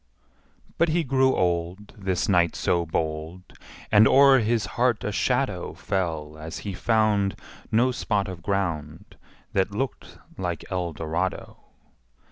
But he grew old, This knight so bold, And o'er his heart a shadow Fell as he found No spot of ground That looked like Eldorado.